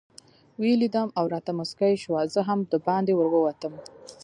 ویې لیدم او راته مسکۍ شوه، زه هم دباندې ورووتم.